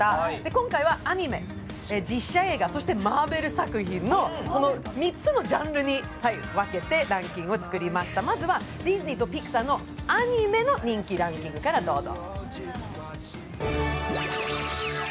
今回はアニメ、実写映画、マーベル作品の３つのジャンルに分けてランキングを作りました、まずはディズニーとピクサーのアニメの人気ランキングからどうぞ。